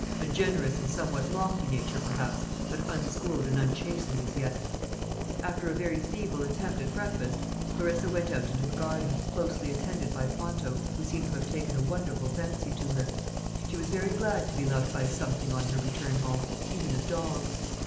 A generous and somewhat lofty nature, perhaps, but unschooled and unchastened as yet. After a very feeble attempt at breakfast, Clarissa went out into the garden, closely attended by Ponto, who seemed to have taken a wonderful fancy to her. She was very glad to be loved by something on her return home, even a dog.